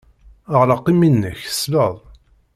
Ɣleq imi-nnek, tesleḍ.